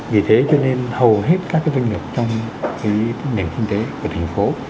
vì thế cho nên hầu hết các doanh nghiệp trong nền kinh tế của thành phố